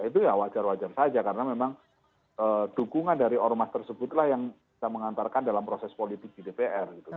itu ya wajar wajar saja karena memang dukungan dari ormas tersebutlah yang bisa mengantarkan dalam proses politik di dpr gitu